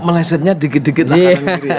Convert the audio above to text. malesennya dikit dikit lah